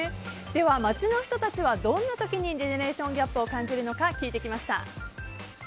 では、街の人たちはどんな時にジェネレーションギャップを感じるのか聞いてきました。